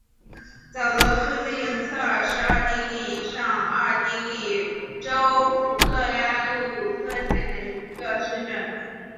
沼泽附近策尔是奥地利上奥地利州弗克拉布鲁克县的一个市镇。